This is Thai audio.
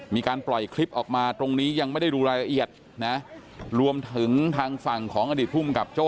มีการปล่อยคลิปออกมาตรงนี้ยังไม่ได้ดูรายละเอียดนะรวมถึงทางฝั่งของอดีตภูมิกับโจ้